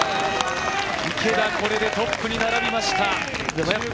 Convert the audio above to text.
池田、これでトップに並びました。